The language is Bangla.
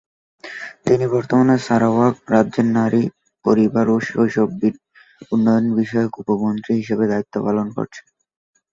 তিনি বর্তমানে সারাওয়াক রাজ্যের নারী, পরিবার ও শৈশব উন্নয়ন বিষয়ক উপমন্ত্রী হিসেবে দায়িত্ব পালন করছেন।